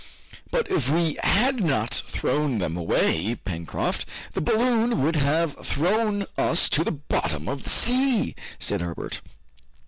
"But if we had not thrown them away, Pencroft, the balloon would have thrown us to the bottom of the sea!" said Herbert.